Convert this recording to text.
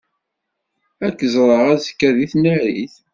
Ad k-ẓreɣ azekka deg tnarit.